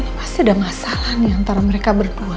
ini pasti ada masalah nih antara mereka berdua